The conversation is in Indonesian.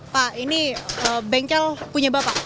pak ini bengkel punya bapak